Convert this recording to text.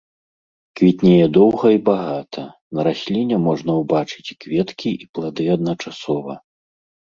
Квітнее доўга і багата, на расліне можна ўбачыць і кветкі і плады адначасова.